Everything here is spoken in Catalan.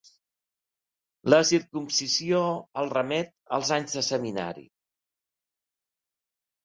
La circumcisió el remet als anys de seminari.